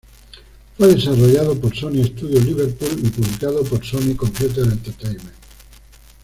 Fue desarrollado por Sony Studio Liverpool y publicado por Sony Computer Entertainment.